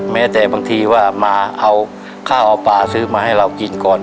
แม้แต่บางทีว่ามาเอาข้าวเอาปลาซื้อมาให้เรากินก่อน